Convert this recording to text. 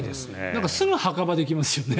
すぐ墓場ができますよね。